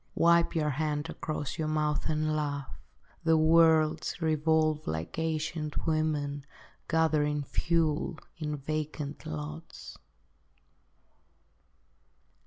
Wipe your hand across your mouth, and laugh; The worlds revolve like ancient women Gathering fuel in vacant lots.